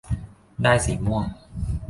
ได้สีม่วง